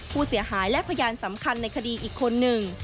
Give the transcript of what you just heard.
ผู้เสียหายและพยานสำคัญในคดีอีกคนหนึ่ง